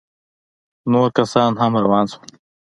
نور کسان هم روان سول.